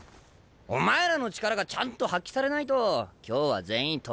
お前らの力がちゃんと発揮されないと今日は全員共倒れだ。